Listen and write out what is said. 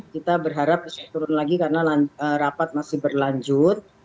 kita berharap bisa turun lagi karena rapat masih berlanjut